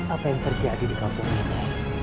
apa yang terjadi di kampung ini